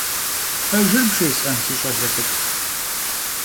Pejjır bjjês'en, si ş'ale ts'ık'u?